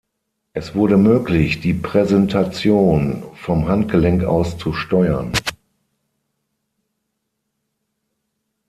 Es wurde möglich, die Präsentation vom Handgelenk aus zu steuern.